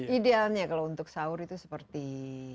idealnya kalau untuk sahur itu seperti